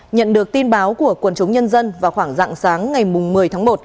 nhận được tin báo của quân chúng nhân dân vào khoảng rạng sáng ngày một mươi tháng một